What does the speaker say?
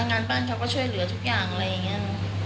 งานบ้านเขาก็ช่วยเหลือทุกอย่างอะไรอย่างนี้